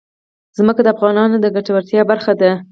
ځمکه د افغانانو د ګټورتیا برخه ده.